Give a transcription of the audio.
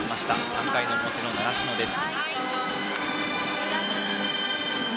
３回の表の習志野です。